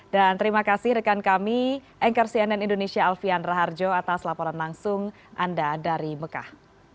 dan terima kasih rekan kami anchor cnn indonesia alfian raharjo atas laporan langsung anda dari mekah